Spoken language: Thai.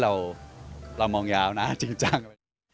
เรามองยาวนะจริงจัง